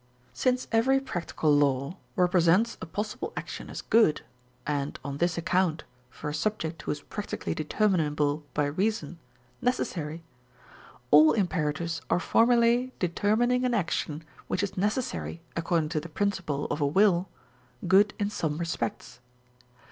Since every practical law represents a possible action as good and, on this account, for a subject who is practically determinable by reason, necessary, all imperatives are formulae determining an action which is necessary according to the principle of a will good in some respects.